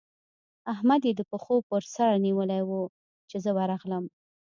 احمد يې د پښو پر سره نيولی وو؛ چې زه ورغلم.